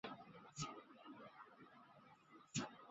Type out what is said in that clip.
亚历山大英雄整本书都是关于窥管用在建筑和测量的方法。